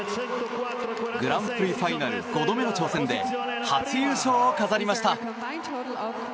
グランプリファイナル５度目の挑戦で初優勝を飾りました。